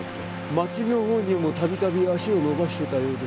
町のほうにもたびたび足を延ばしてたようですよ。